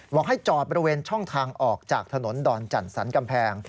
บอกให้จอดบริเวณช่องทางออกจากถนนดอนจันสันกำแพง